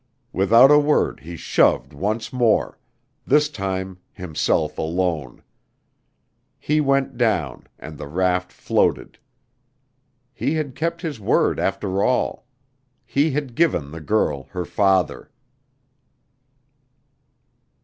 Without a word he shoved once more, this time himself alone. He went down and the raft floated. He had kept his word after all; he had given the girl her father.